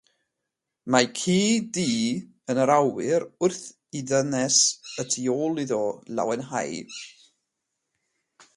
Mae ci du yn yr awyr wrth i ddynes y tu ôl iddo lawenhau.